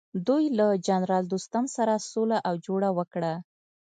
دوی له جنرال دوستم سره سوله او جوړه وکړه.